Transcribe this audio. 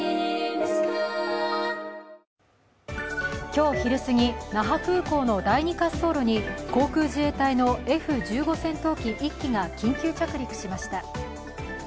今日昼すぎ、那覇空港の第二滑走路に航空自衛隊のＦ１５Ｋ戦闘機１機が緊急着陸しました。